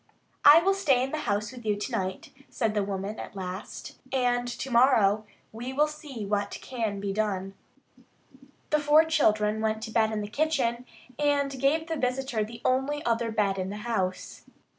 "I will stay in the house with you tonight," said the woman at last, "and tomorrow we will see what can be done." The four children went to bed in the kitchen, and gave the visitor the only other bed in the house.